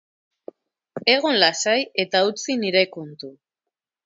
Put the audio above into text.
Egon lasai eta utzi nire kontu.